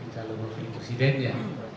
jadi calon wakil presiden ya